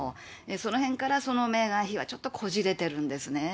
そのへんから、そのメーガン妃はちょっとこじれてるんですね。